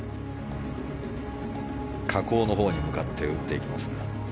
河口のほうに向かって打っていきます。